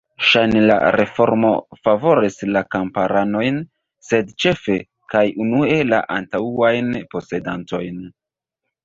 Ŝajne la reformo favoris la kamparanojn, sed ĉefe kaj unue la antaŭajn posedantojn.